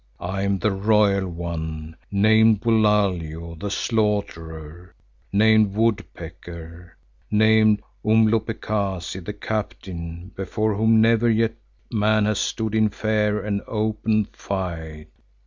I am the Royal One, named Bulalio the Slaughterer, named Woodpecker, named Umhlopekazi the Captain, before whom never yet man has stood in fair and open fight.